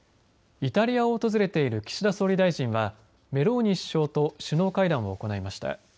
イタリアを訪れている岸田総理大臣はメローニ首相と首脳会談を行いました。